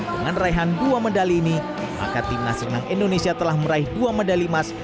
dengan raihan dua medali ini maka timnas renang indonesia telah meraih dua medali emas